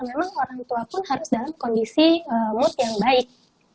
memang orang tua pun harus dalam kondisi mood yang baik